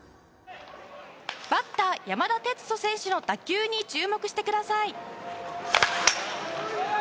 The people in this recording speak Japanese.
バッター山田哲人選手の打球に注目してください。